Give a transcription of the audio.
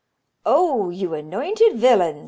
"Oh, you anointed villain!"